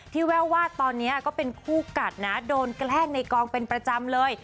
แววว่าตอนนี้ก็เป็นคู่กัดนะโดนแกล้งในกองเป็นประจำเลย